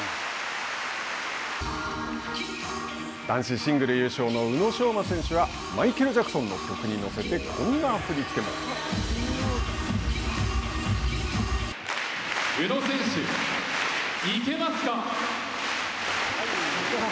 男子シングル優勝の宇野昌磨選手はマイケル・ジャクソンの曲に乗せて宇野選手、行けますか？